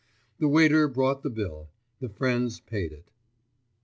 The waiter brought the bill; the friends paid it.